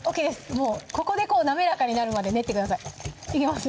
もうここで滑らかになるまで練ってくださいいけます？